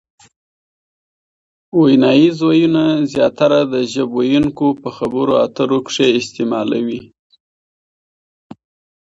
ویناییز وییونه زیاتره د ژبو ویونکي په خبرو اترو کښي استعمالوي.